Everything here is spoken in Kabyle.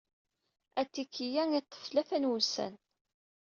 Atiki-a iteṭṭef tlata n wussan.